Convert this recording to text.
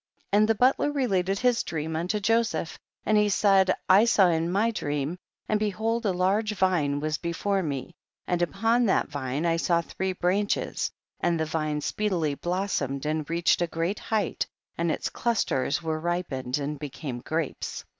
8. And the butler related his dream unto Joseph, and he said, I saw in my dream, and behold a large vine was before me, and upon that vine I saw three branches, and the vine speedily blossomed and reached a great height, and its clusters were ri pened and became grapes.